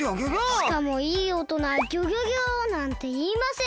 しかもいいおとなは「ギョギョギョ！」なんていいません。